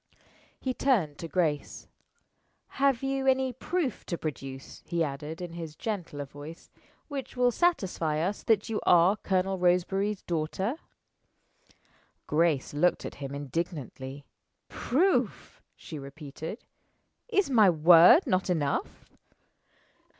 He turned to Grace. "Have you any proof to produce," he added, in his gentler voice, "which will satisfy us that you are Colonel Roseberry's daughter?" Grace looked at him indignantly. "Proof!" she repeated. "Is my word not enough?"